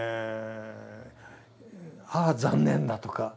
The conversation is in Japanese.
「ああ残念だ」とか。